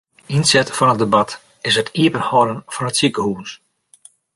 Ynset fan it debat is it iepenhâlden fan it sikehûs.